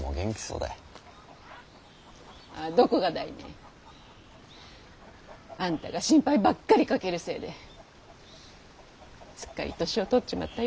はあどこがだいね。あんたが心配ばっかりかけるせいですっかり年をとっちまったよ。